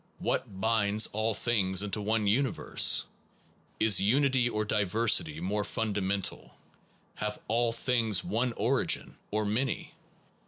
What binds all things into one universe? Is unity or diversity more fundamental? Have all things one origin? or many?